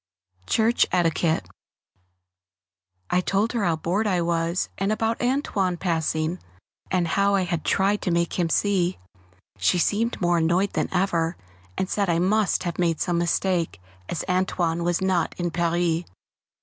[Sidenote: Church Etiquette] I told her how bored I was, and about "Antoine" passing, and how I had tried to make him see. She seemed more annoyed than ever, and said I must have made some mistake, as "Antoine" was not in Paris.